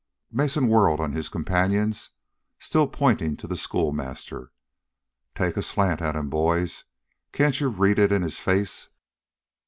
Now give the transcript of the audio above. Mason whirled on his companions, still pointing to the schoolmaster. "Take a slant at him, boys. Can't you read it in his face?"